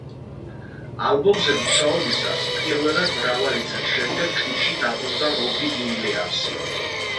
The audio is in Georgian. ალბომზე მუშაობისას, პირველად მრავალი წლის შემდეგ ჯგუფში დაბრუნდა რობი უილიამსი.